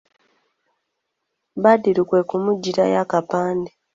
Badru kwe kumuggyirayo akapande.